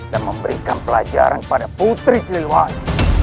dan memberikan pelajaran pada putri siliwangi